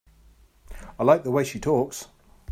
I like the way she talks.